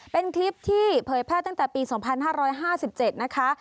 เป็นคลิปที่เผยแพร่ตั้งแต่ปี๒๕๕๗นะคะ